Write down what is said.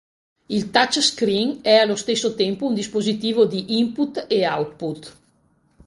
Il touch screen è allo stesso tempo un dispositivo di input e output.